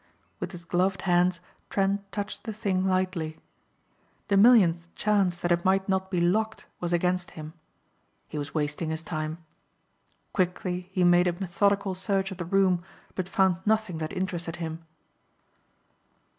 With his gloved hands Trent touched the thing lightly. The millionth chance that it might not be locked was against him. He was wasting his time. Quickly he made a methodical search of the room but found nothing that interested him.